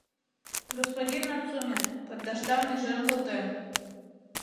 — Господин Нацуме, пондашдам нӱжен колтем.